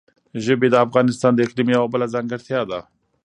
ژبې د افغانستان د اقلیم یوه بله ځانګړتیا ده.